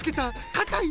かたい！